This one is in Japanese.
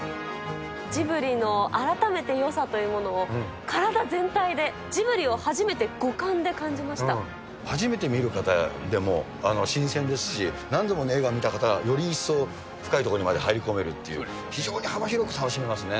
ジブリの改めてよさというものを、体全体で、初めて見る方でも新鮮ですし、何度も映画見た方、より一層深いところにまで入り込めるっていう、非常に幅広く楽しめますね。